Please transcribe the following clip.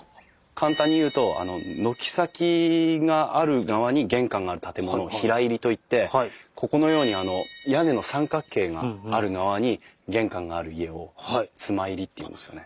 簡単に言うと軒先がある側に玄関がある建物を平入りといってここのように屋根の三角形がある側に玄関がある家を妻入りっていうんですよね。